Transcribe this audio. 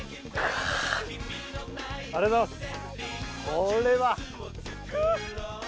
ありがとうございます！